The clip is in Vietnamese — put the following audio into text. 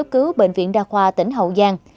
cứu bệnh viện đa khoa tỉnh hậu giang